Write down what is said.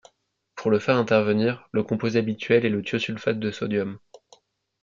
Pour le faire intervenir, le composé habituel est le thiosulfate de sodium.